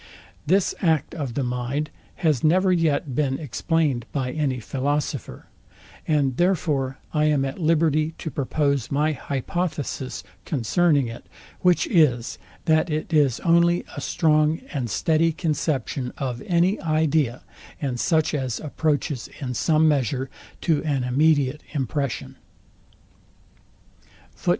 This act of the mind has never yet been explain'd by any philosopher; and therefore I am at liberty to propose my hypothesis concerning it; which is, that it is only a strong and steady conception of any idea, and such as approaches in some measure to an immediate impression.